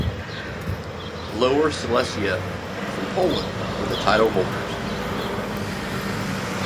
Lower Silesia from Poland were the title holders.